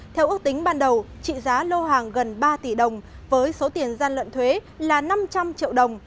theo ước tính ban đầu trị giá lô hàng gần ba tỷ đồng với số tiền gian lận thuế là năm trăm linh triệu đồng